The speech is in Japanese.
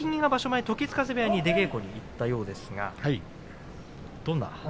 前、時津風部屋に出稽古に行ったようですね。